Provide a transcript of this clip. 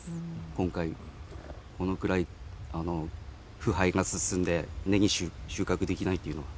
今回、このくらい腐敗が進んで、ねぎ収穫できないというのは。